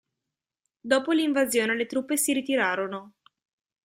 Dopo l'invasione le truppe si ritirarono.